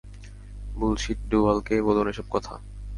Bullshit ডুভালকে বলুন এসব কথা।